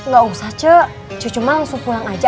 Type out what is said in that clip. gak usah cek cuma langsung pulang aja